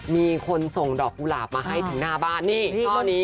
มีคนส่งดอกกุหลาบมาให้ถึงหน้าบ้านนี่ช่อนี้